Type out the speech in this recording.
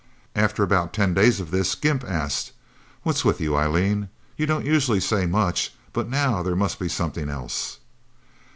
After about ten days of this, Gimp asked, "What's with you, Eileen? You don't usually say much, but now there must be something else."